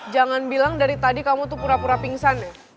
jangan bilang dari tadi kamu tuh pura pura pingsan ya